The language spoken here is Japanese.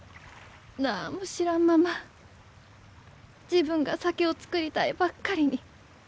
何も知らんまま自分が酒を造りたいばっかりに。